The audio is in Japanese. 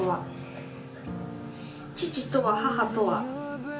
父とは母とは。